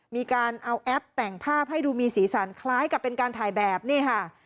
มีการเอาแอปแต่งภาพให้ดูมีสีสันคล้ายกับเป็นการถ่ายแบบนี้ค่ะ